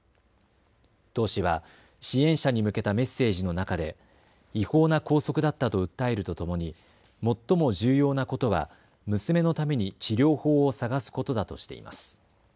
唐氏は支援者に向けたメッセージの中で違法な拘束だったと訴えるとともに最も重要なことは娘のために治療法を探すことだとしています。